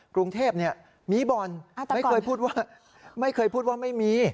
กรุงเทพฯมีบ่อนไม่เคยพูดว่าไม่มี